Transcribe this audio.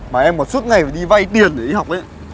mà em còn suốt ngày phải đi vay tiền để đi học ấy